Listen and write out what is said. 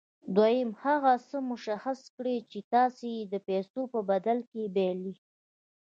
دويم هغه څه مشخص کړئ چې تاسې يې د پیسو په بدل کې بايلئ.